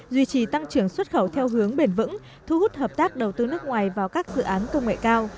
duy trì tăng trưởng xuất khẩu theo hướng bền vững thu hút hợp tác đầu tư nước ngoài vào các dự án công nghệ cao